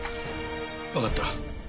わかった。